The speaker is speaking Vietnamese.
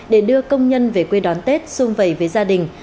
để đưa công nhân về quê đón tết xung vầy với gia đình